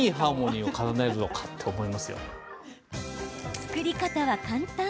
作り方は簡単。